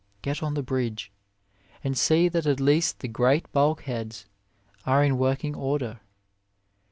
Get on the bridge, and see that at least the great bulkheads are in working order.